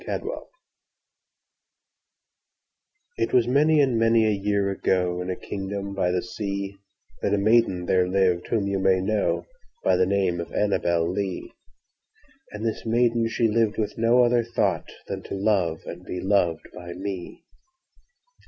Annabel Lee IT was many and many a year ago, In a kingdom by the seaThat a maiden there lived whom you may knowBy the name of ANNABEL LEE; And this maiden she lived with no other thoughtThan to love and be loved by me.